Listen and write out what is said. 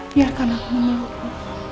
biarkan aku memiliki